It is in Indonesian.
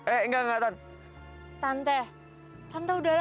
eh enggak enggak tan tante tante udahlah gak bisa